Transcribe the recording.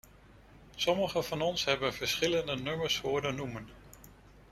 Sommigen van ons hebben verschillende nummers horen noemen.